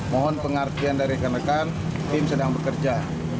mohon pengertian dari rekan rekan tim sedang bekerja